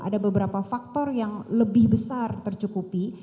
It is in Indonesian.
ada beberapa faktor yang lebih besar tercukupi